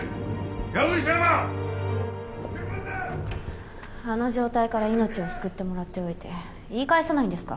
やぶ医者があの状態から命を救ってもらっておいて言い返さないんですか？